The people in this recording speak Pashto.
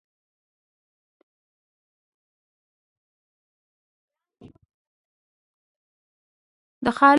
د خالق رحم تل پر تا شو.